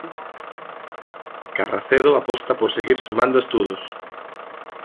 Carracedo aposta por seguir sumando estudos.